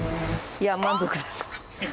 いや、満足です。